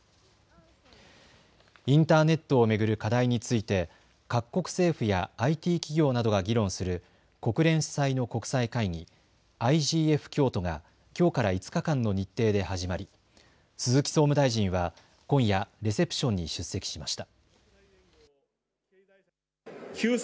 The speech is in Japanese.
インターネットを巡る課題について各国政府やＩＴ企業などが議論する国連主催の国際会議、ＩＧＦ京都がきょうから５日間の日程で始まり鈴木総務大臣は今夜、レセプションに出席しました。